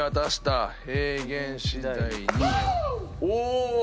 お！